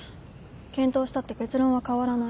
検討したって結論は変わらない。